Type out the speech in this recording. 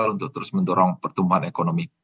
untuk terus mendorong pertumbuhan ekonomi